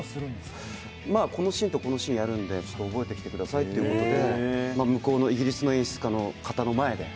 このシーンとこのシーンやるんでちょっと覚えてきてくださいというんで向こうのイギリスの演出家の方の前で。